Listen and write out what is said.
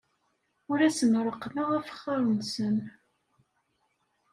Ur asen-reqqmeɣ afexxar-nsen.